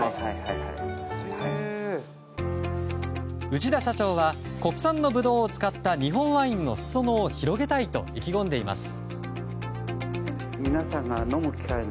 内田社長は国産のブドウを使った日本ワインの裾野を広げたいと意気込んでいます。